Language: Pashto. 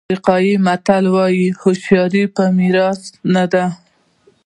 افریقایي متل وایي هوښیاري په میراث نه ده.